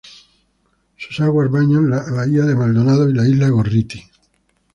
Sus aguas bañan la Bahía de Maldonado y la Isla Gorriti.